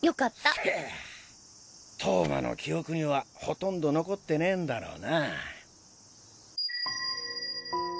投馬の記憶にはほとんど残ってねえんだろうなァ。